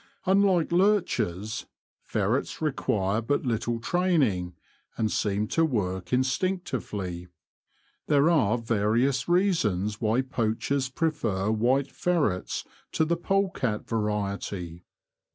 Unhke lurchers, ferrets require but little training, and seem to work instinctively. There are various reasons why poachers prefer white ferrets to the polecat variety.